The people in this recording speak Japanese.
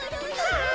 あ！